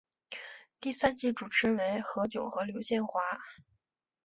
第三季主持人为何炅和刘宪华。